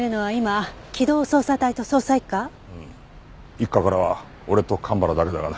一課からは俺と蒲原だけだがな。